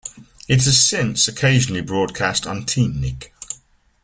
It has since occasionally broadcast on TeenNick.